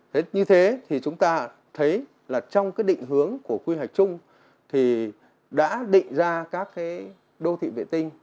thế như thế thì chúng ta thấy là trong cái định hướng của quy hoạch chung thì đã định ra các cái đô thị vệ tinh